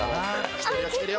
きてるよきてるよ。